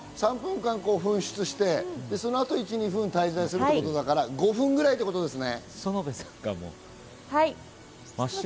３分間噴出して、そのあと１２分ということだから、５分ぐらいってことですね。